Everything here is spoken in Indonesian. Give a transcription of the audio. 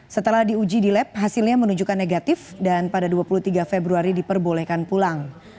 setelah diuji di lab hasilnya menunjukkan negatif dan pada dua puluh tiga februari diperbolehkan pulang